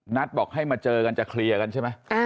บอกให้มาเจอกันจะเคลียร์กันใช่ไหม